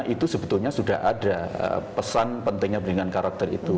itu sebetulnya sudah ada pesan pentingnya pendidikan karakter itu